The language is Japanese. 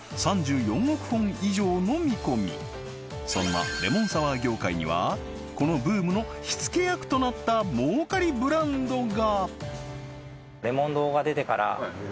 そんなレモンサワー業界にはこのブームの火付け役となった儲かりブランドが！